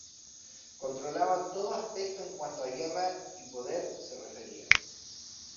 Controlaban todo aspecto en cuanto a guerra y poder se refería.